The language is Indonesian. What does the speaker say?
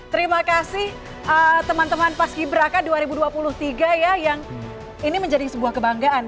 terima kasih teman teman pas gibraka dua ribu dua puluh tiga ya yang ini menjadi sebuah kebanggaan